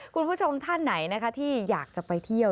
คุณผู้ชมท่านไหนนะคะที่อยากจะไปเที่ยว